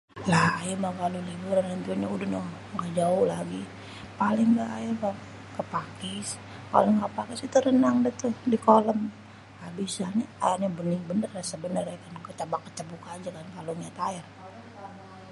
lah aye meh kalo liburan itu noh udeh noh ga jauh lagi, paling ga aye mo ke Pakis, kalo ga pakis renang udeh tuh di kolem, abisanye aernye bening bener resep bener aye kan ke cabak ke cebuk aje kan kalo ngeliat aer.